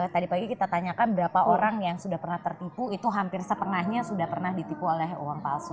tadi pagi kita tanyakan berapa orang yang sudah pernah tertipu itu hampir setengahnya sudah pernah ditipu oleh uang palsu